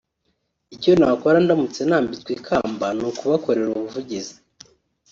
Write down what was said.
Icyo nakora ndamutse nambitswe ikamba ni ukubakorera ubuvugizi